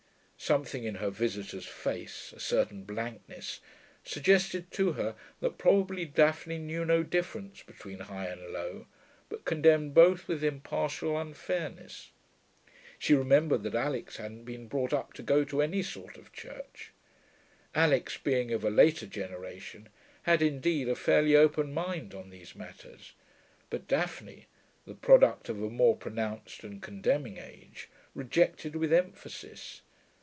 Something in her visitor's face, a certain blankness, suggested to her that probably Daphne knew no difference between high and low, but condemned both with impartial unfairness. She remembered that Alix hadn't been brought up to go to any sort of church. Alix, being of a later generation, had indeed a fairly open mind on these matters; but Daphne, the product of a more pronounced and condemning age, rejected with emphasis.